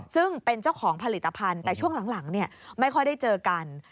ซึ่งเป็นเจ้าของผลิตภัณฑ์แต่ช่วงหลังไม่ค่อยได้เจอกัน